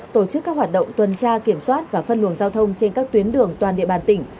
tổ chức các hoạt động tuần tra kiểm soát và phân luồng giao thông trên các tuyến đường toàn địa bàn tỉnh